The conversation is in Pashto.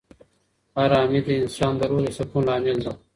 آرامي د انسان د روح د سکون لامل ده.